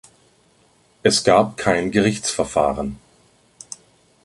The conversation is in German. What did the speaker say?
Es gab kein Gerichtsverfahren.